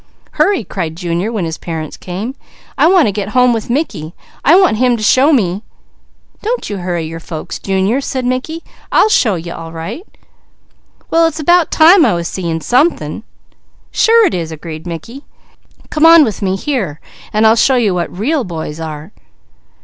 "Hurry!" cried Junior when his parents came. "I want to get home with Mickey. I want him to show me " "Don't you hurry your folks, Junior," said Mickey, "I'll show you all right!" "Well it's about time I was seeing something." "Sure it is," agreed Mickey. "Come on with me here, and I'll show you what real boys are!"